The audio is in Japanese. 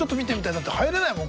だって入れないもん